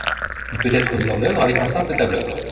Il peut être mis en œuvre avec un simple tableur.